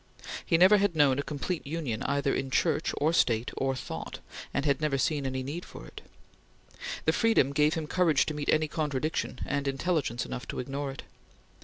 He never had known a complete union either in Church or State or thought, and had never seen any need for it. The freedom gave him courage to meet any contradiction, and intelligence enough to ignore it.